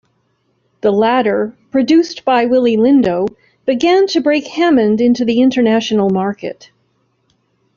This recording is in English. The latter, produced by Willie Lindo, began to break Hammond into the international market.